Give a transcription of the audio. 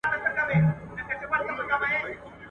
چي ملا وايي، هغه کوه، چي ملا ئې کوي، هغه مه کوه.